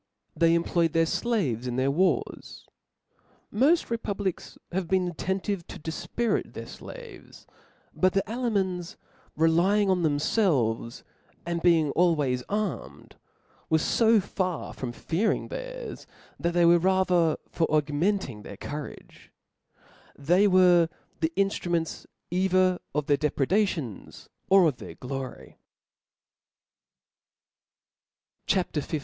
They em ployed their flaves in their war^. Mofl: repub lics have been attentive to difpirit their flaves: 6 but w O F L A W S. 361 but; the Alemans relying on thetnfclves, and being ^^^ always armed, were fo far from fearing theirs, Cbap.' 15. tbac they were rather for augmenting their courage ; they were the inftruments either Qt their depred^ ^ tions or of their glpry, CHAP, XV.